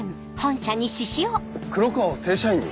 黒川を正社員に？